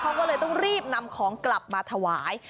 เขาก็เลยต้องรีบนำของกลับมาถวาย